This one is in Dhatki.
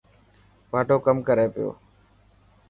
واڍو ڪم ڪري پيو.